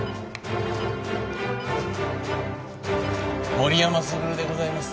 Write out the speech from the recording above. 森山卓でございます。